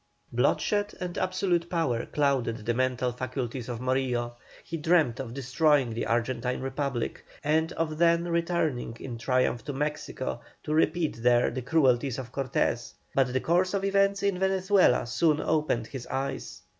Bloodshed and absolute power clouded the mental faculties of Morillo; he dreamed of destroying the Argentine Republic, and of then returning in triumph to Mexico to repeat there the cruelties of Cortes, but the course of events in Venezuela soon opened his eyes.